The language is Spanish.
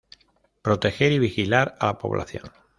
Proteger y vigilar a la población.